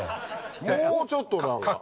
もうちょっと何か。